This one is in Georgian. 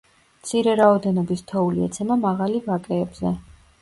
მცირე რაოდენობის თოვლი ეცემა მაღალი ვაკეებზე.